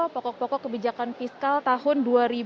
pokok pokok kebijakan fiskal tahun dua ribu dua puluh